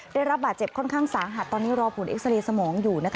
ได้รับบาดเจ็บค่อนข้างสาหัสตอนนี้รอผลเอ็กซาเรย์สมองอยู่